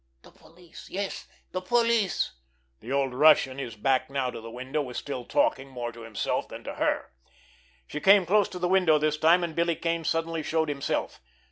The police, yes, the police——" The old Russian, his back now to the window, was still talking, more to himself than to her. She came close to the window this time and Billy Kane suddenly showed himself.